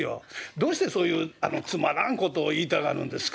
どうしてそういうつまらんことを言いたがるんですか？